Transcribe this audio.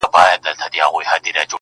د خپل ښايسته خيال پر رنگينه پاڼه,